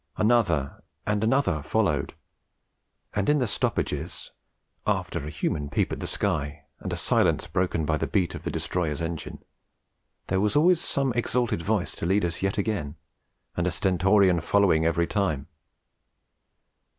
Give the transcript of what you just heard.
Another and another followed; and in the stoppages, after a human peep at the sky, and a silence broken by the beat of the destroyer's engine, there was always some exalted voice to lead us yet again, and a stentorian following every time.